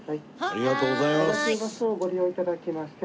ありがとうございます。